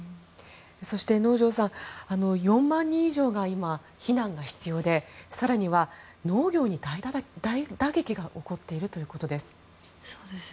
そして、能條さん４万人以上が今、避難が必要で更には農業に大打撃が起こっているということです。